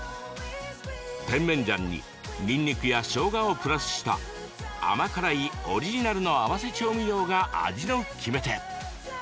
甜麺醤ににんにくやしょうがをプラスした甘辛いオリジナルの合わせ調味料が味の決め手。